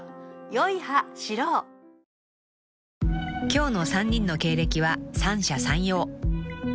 ［今日の３人の経歴は三者三様］